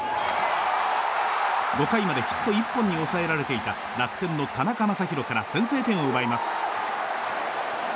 ５回までヒット１本に抑えられていた楽天の田中将大から先制点を奪います。